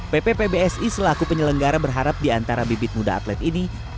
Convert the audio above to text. pp pbsi selaku penyelenggara berharap di antara bibit muda atlet ini